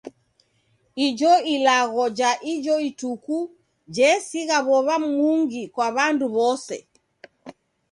Ijo ilagho ja ijo ituku jesigha w'ow'a mungi kwa w'andu w'ose.